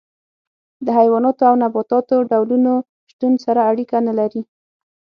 د حیواناتو او نباتاتو ډولونو شتون سره اړیکه نه لري.